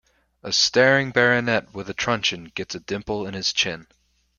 A staring baronet, with a truncheon, gets a dimple in his chin.